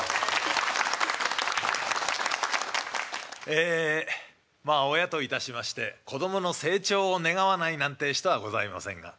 ええまあ親といたしまして子供の成長を願わないなんて人はございませんが。